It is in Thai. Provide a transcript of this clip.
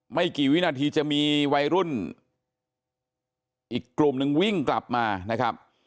ไม่กี่วินาทีจะมีวัยรุ่นอีกกลุ่มนึงวิ่งกลับมานะครับ